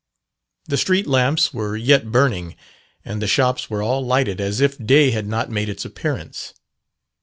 The street lamps were yet burning, and the shops were all lighted as if day had not made its appearance.